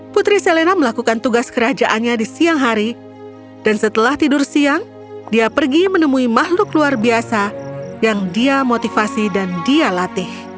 putri selena melakukan tugas kerajaannya di siang hari dan setelah tidur siang dia pergi menemui makhluk luar biasa yang dia motivasi dan dia latih